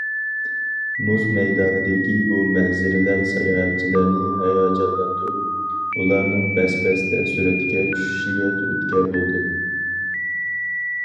مۇز مەيدانىدىكى بۇ مەنزىرىلەر ساياھەتچىلەرنى ھاياجانلاندۇرۇپ، ئۇلارنىڭ بەس- بەستە سۈرەتكە چۈشۈشىگە تۈرتكە بولدى.